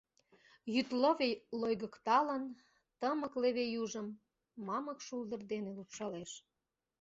Йӱд лыве лойгыкталын тымык леве южым, Мамык шулдыр дене лупшалеш.